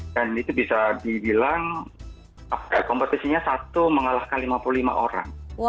dan itu bisa dibilang kompetisinya satu mengalahkan lima puluh lima orang